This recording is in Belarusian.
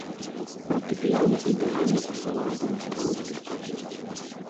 Фартэпіяна ідэальна пасавала да настрою спектакля.